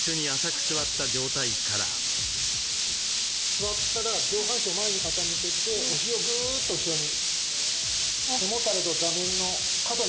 座ったら上半身を前に傾けてお尻をぐーっと後ろに。